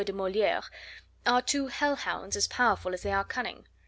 de Moliere, are two hell hounds as powerful as they are cunning."